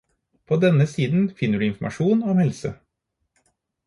På denne siden finner du informasjon om helse